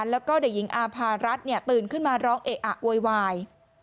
แล้วก็เด็กหญิงอาภารัฐตื่นขึ้นมาร้องเอะอะโวยวาย